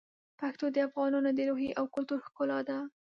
پښتو د افغانانو د روحیې او کلتور ښکلا ده.